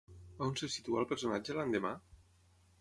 On se situa el personatge l'endemà?